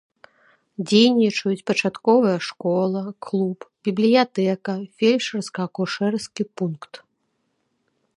Дзейнічаюць пачатковая школа, клуб, бібліятэка, фельчарска-акушэрскі пункт.